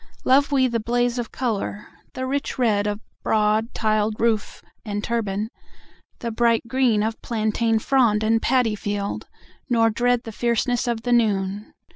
Love we the blaze of color, the rich redOf broad tiled roof and turban, the bright greenOf plantain frond and paddy field, nor dreadThe fierceness of the noon.